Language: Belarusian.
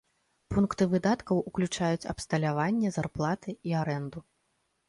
Пункты выдаткаў уключаюць абсталяванне, зарплаты і арэнду.